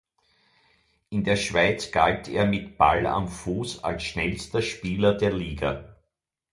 In der Schweiz galt er mit Ball am Fuss als schnellster Spieler der Liga.